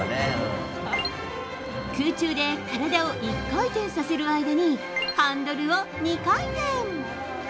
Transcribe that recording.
空中で体を１回転させる間にハンドルを２回転。